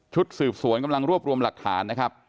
สืบสวนกำลังรวบรวมหลักฐานนะครับ